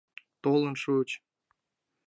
— Толын шуыч.